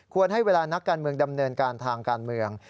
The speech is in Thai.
ให้เวลานักการเมืองดำเนินการทางการเมือง